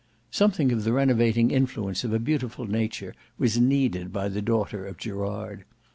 Something of the renovating influence of a beautiful nature was needed by the daughter of Gerard.